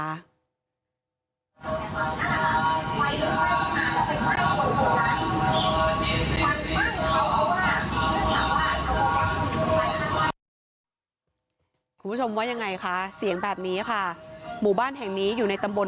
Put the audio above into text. คุณผู้ชมว่ายังไงคะเสียงแบบนี้ค่ะหมู่บ้านแห่งนี้อยู่ในตำบล